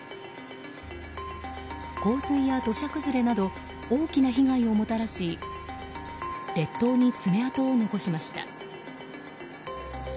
洪水や土砂崩れなど大きな被害をもたらし列島に爪痕を残しました。